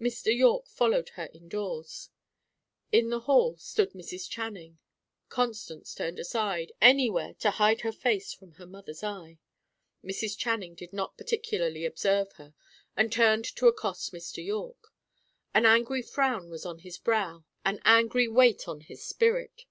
Mr. Yorke followed her indoors. In the hall stood Mrs. Channing. Constance turned aside, anywhere, to hide her face from her mother's eye. Mrs. Channing did not particularly observe her, and turned to accost Mr. Yorke. An angry frown was on his brow, an angry weight on his spirit.